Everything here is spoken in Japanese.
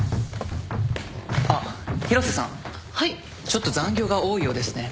ちょっと残業が多いようですね。